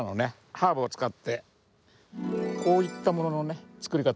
ハーブを使ってこういったもののね作り方をお教えしましょう。